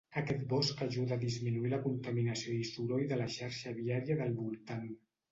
Aquest bosc ajuda a disminuir la contaminació i soroll de la xarxa viària del voltant.